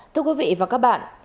thưa quý vị và các bạn